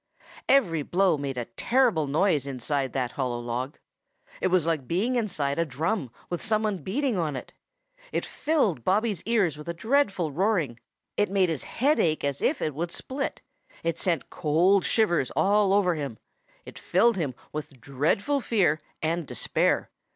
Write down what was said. Every blow made a terrible noise inside that hollow log. It was like being inside a drum with some one beating it. It filled Bobby's ears with a dreadful roaring. It made his head ache as if it would split. It sent cold shivers all over him. It filled him with dreadful fear and despair.